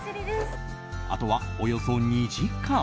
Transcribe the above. あとはおよそ２時間。